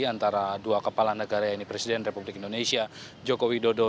antara dua kepala negara ini presiden republik indonesia joko widodo